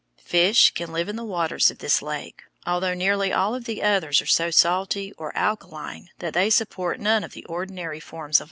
Fish can live in the waters of this lake, although nearly all the others are so salty or so alkaline that they support none of the ordinary forms of life.